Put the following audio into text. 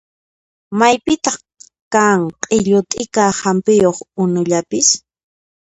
Maypitaq kan q'illu t'ika hampiyuq unullapis?